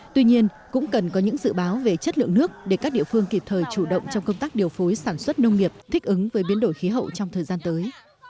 tuy nhiên cũng cần có những dự báo về chất lượng nước để các địa phương kịp thời chủ động trong công tác điều phối sản xuất nông nghiệp thích ứng với biến đổi khí hậu trong thời gian tới